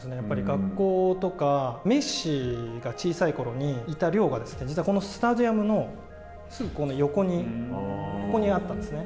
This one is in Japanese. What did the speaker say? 学校とかメッシが小さいころにいた寮が実はこのスタジアムのすぐ横に、ここにあったんですね。